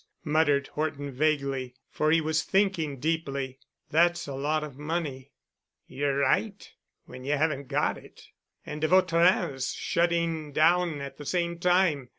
muttered Horton vaguely, for he was thinking deeply, "that's a lot of money." "Ye're right—when ye haven't got it. And de Vautrin's shutting down at the same time.